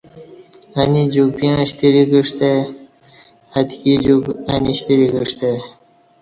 انی جوک پیݩع شتری کعستہ ای اتکی جوک انی شتری کعستہ ای